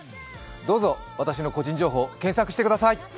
どうぞ私の個人情報検索してください！